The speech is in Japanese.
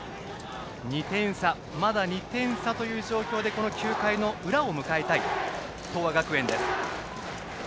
まだ２点差という状況で９回の裏を迎えたい東亜学園。